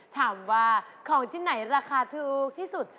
ถามว่าของชิ้นไหนราคาถูกที่สุด